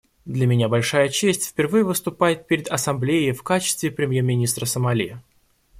Для меня большая честь впервые выступать перед Ассамблеей в качестве премьер-министра Сомали.